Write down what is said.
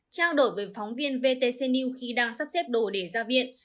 trao đổi với phóng viên vtc new khi đang sắp xếp đồ để ra viện